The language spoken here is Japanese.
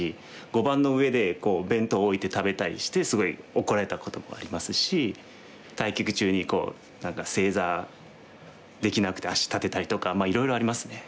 碁盤の上で弁当置いて食べたりしてすごい怒られたこともありますし対局中に何か正座できなくて足立てたりとかいろいろありますね。